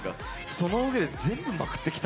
その上で全部まくって来た。